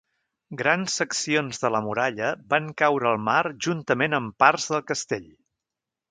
Grans seccions de la muralla van caure al mar juntament amb parts del castell.